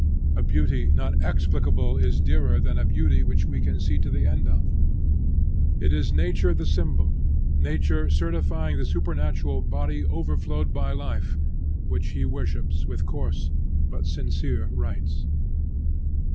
A beauty not explicable is dearer than a beauty which we can see to the end of. It is nature the symbol, nature certifying the supernatural, body overflowed by life which he worships with coarse but sincere rites.